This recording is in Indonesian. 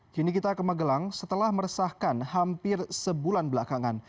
kini kita ke magelang setelah meresahkan hampir sebulan belakangan